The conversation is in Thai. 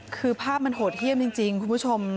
คือภาพมันโหดเยี่ยมจริงจริงคุณผู้ชมครับ